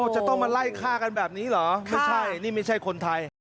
จะต้องมาไล่ฆ่ากันแบบนี้เหรอไม่ใช่นี่ไม่ใช่คนไทย